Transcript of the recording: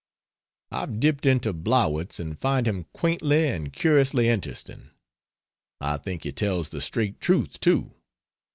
I've dipped into Blowitz and find him quaintly and curiously interesting. I think he tells the straight truth, too.